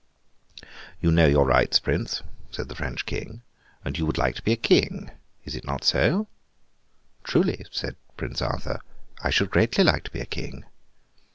'You know your rights, Prince,' said the French King, 'and you would like to be a King. Is it not so?' 'Truly,' said Prince Arthur, 'I should greatly like to be a King!